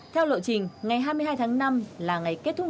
theo lộ trình ngày hai mươi hai tháng năm là ngày kết thúc